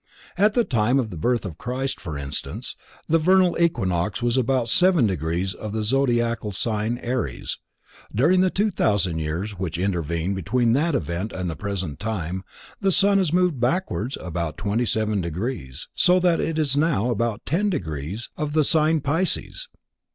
At the time of the birth of Christ, for instance, the Vernal Equinox was in about seven degrees of the Zodiacal sign Aries. During the two thousand years which intervene between that event and the present time, the sun has moved backwards about twenty seven degrees, so that it is now in about ten degrees of the sign Pisces.